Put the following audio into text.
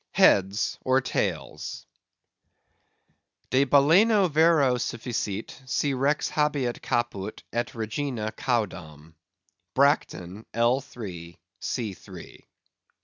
Heads or Tails. "De balena vero sufficit, si rex habeat caput, et regina caudam." _Bracton, l. 3, c. 3.